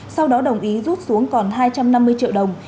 sau đó đồng ý rút xuống còn hai trăm năm mươi triệu đồng